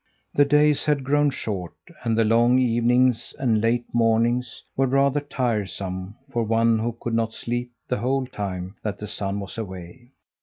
The days had grown short and the long evenings and late mornings were rather tiresome for one who could not sleep the whole time that the sun was away.